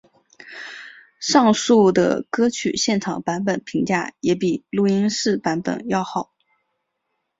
上述的歌曲的现场版本评价也比录音室版本好。